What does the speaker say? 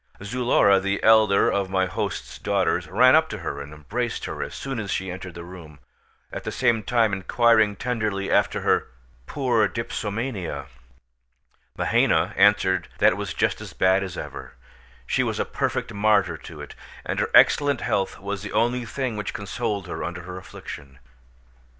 Zulora (the elder of my host's daughters) ran up to her and embraced her as soon as she entered the room, at the same time inquiring tenderly after her "poor dipsomania." Mahaina answered that it was just as bad as ever; she was a perfect martyr to it, and her excellent health was the only thing which consoled her under her affliction.